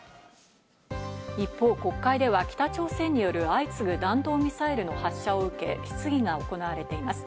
一方、国会では北朝鮮による相次ぐ弾道ミサイルの発射を受け、質疑が行われています。